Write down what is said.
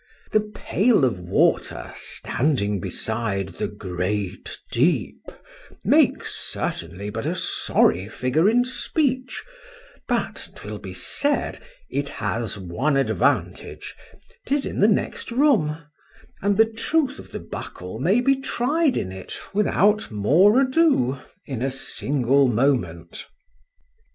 — The pail of water standing beside the great deep, makes, certainly, but a sorry figure in speech;—but, 'twill be said,—it has one advantage—'tis in the next room, and the truth of the buckle may be tried in it, without more ado, in a single moment.